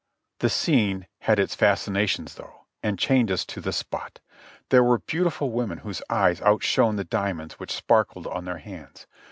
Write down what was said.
The scene had its fascinations though, and chained us to the spot. There were beautiful women whose eyes outshone the dia monds which sparkled on their hands.